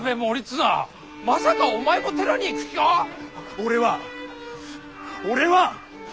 俺は俺は！